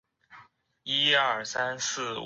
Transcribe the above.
默多克和南方电视有线得到了第九频道。